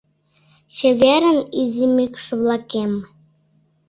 Чеверын, изи мӱкш-влакем.